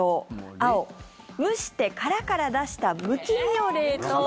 青、蒸して殻から出したむき身を冷凍。